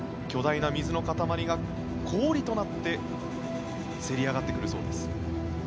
巨大な水の塊が氷となってせり上がってくるそうです。